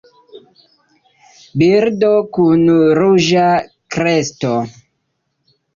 Birdo kun ruĝa kresto.